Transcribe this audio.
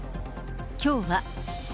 きょうは。